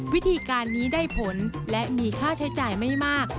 วิธีการนี้ได้ผลและมีค่าใช้จ่ายไม่มาก